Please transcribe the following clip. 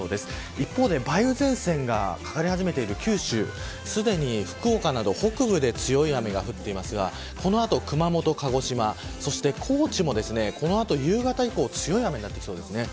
一方で梅雨前線がかかり始めている九州すでに福岡など北部で強い雨が降っていますがこの後、熊本、鹿児島そして高知も、この後夕方以降強い雨になってきそうです。